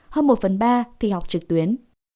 hơn một phần ba thì học trực tuyến